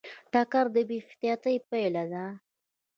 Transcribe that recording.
ټکر د بې احتیاطۍ پایله ده.